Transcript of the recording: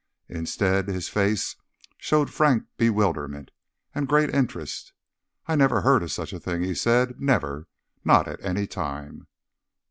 Instead, his face showed frank bewilderment, and great interest. "I never heard of such a thing," he said. "Never. Not at any time."